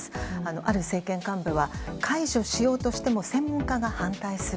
ある政権幹部は解除しようとしても専門家が反対する。